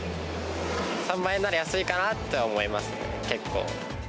３万円なら安いかなとは思います、結構。